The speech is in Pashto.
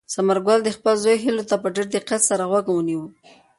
ثمرګل د خپل زوی هیلو ته په ډېر دقت سره غوږ ونیو.